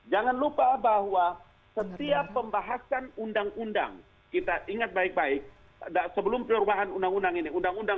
jangan lupa bahwa setiap pembahasan undang undang kita ingat baik baik sebelum perubahan undang undang ini